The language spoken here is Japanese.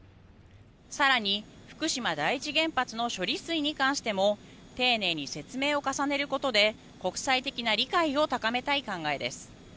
更に、福島第一原発の処理水に関しても丁寧に説明を重ねることで国際的な理解を高めたい考えです。